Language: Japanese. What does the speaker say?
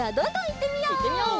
いってみよう！